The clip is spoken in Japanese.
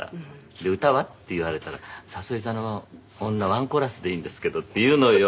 で「歌は」って言われたら「『さそり座の女』１コーラスでいいんですけど」って言うのよ。